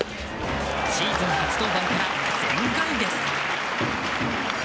シーズン初登板から全開です！